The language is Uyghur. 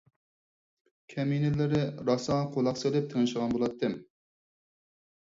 كەمىنىلىرى راسا قۇلاق سېلىپ تىڭشىغان بولاتتىم.